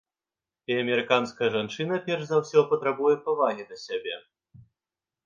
І амерыканская жанчына перш за ўсё патрабуе павагі да сябе.